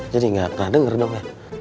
jadi ga pernah denger dong ya